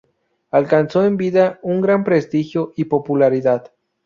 Alcanzó en vida un gran prestigio y popularidad.